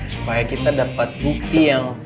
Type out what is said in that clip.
supaya kita dapat bukti yang